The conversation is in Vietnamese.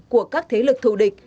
của các thế lực thù địch